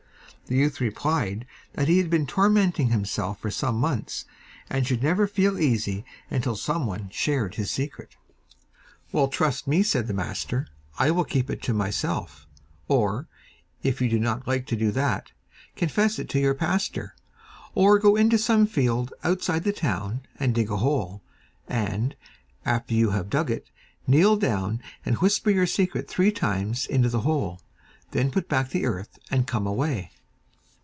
The youth replied that he had been tormenting himself for some months, and should never feel easy until some one shared his secret. 'Well, trust me,' said the master, 'I will keep it to myself; or, if you do not like to do that, confess it to your pastor, or go into some field outside the town and dig a hole, and, after you have dug it, kneel down and whisper your secret three times into the hole. Then put back the earth and come away.